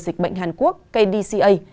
dịch bệnh hàn quốc kdca